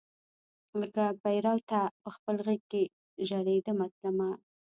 لکه پیروته پخپل غیږ کې ژریدمه تلمه